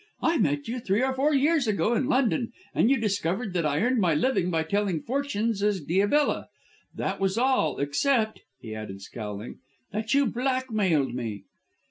"I met you three or four years ago in London and you discovered that I earned my living by telling fortunes as Diabella. That was all, except," he added, scowling, "that you blackmailed me."